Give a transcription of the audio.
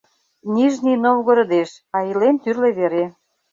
— Нижний Новгородеш, а илен тӱрлӧ вере.